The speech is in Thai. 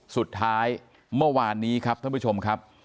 สุดท้ายเมื่อวานนี้ครับท่านผู้ชมครับ